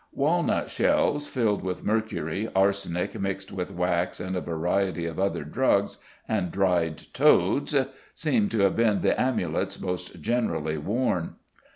Walnut shells filled with mercury, arsenic mixed with wax and a variety of other drugs, and dried toads seem to have been the amulets most generally worn.